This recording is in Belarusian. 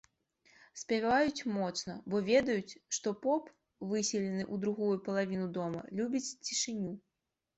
Спяваюць моцна, бо ведаюць, што поп, выселены ў другую палавіну дома, любіць цішыню.